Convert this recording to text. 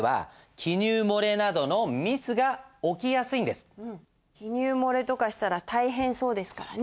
でも記入漏れとかしたら大変そうですからね。